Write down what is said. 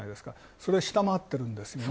それを下回ってるんですよね。